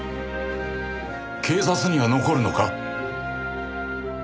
警察には残るのか？